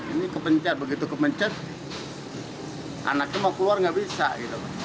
ini kepencet begitu kemencet anaknya mau keluar nggak bisa gitu